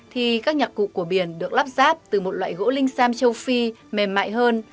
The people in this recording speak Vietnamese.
thì các nhạc cụ của biển được lắp ráp từ một loại gỗ linh sam châu phi mềm mại hơn